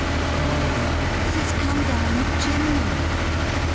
cry all, that has come down the chimney.